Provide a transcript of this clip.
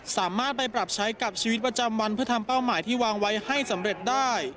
สามารถไปปรับใช้กับชีวิตประจำวันเพื่อทำเป้าหมายที่วางไว้ให้สำเร็จได้